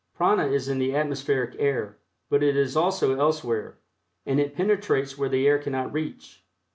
Prana is in the atmospheric air, but it is also elsewhere, and it penetrates where the air cannot reach.